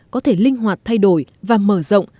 có thể linh hoạt thay đổi và mở rộng